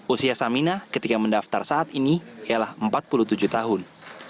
usia samina ketika mendaftar saat ini ialah empat puluh tujuh tahun